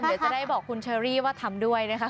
เดี๋ยวจะได้บอกคุณเชอรี่ว่าทำด้วยนะคะ